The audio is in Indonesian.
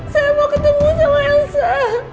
saya mau ketemu sama elsa